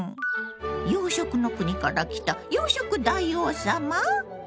洋食の国から来た洋食大王様？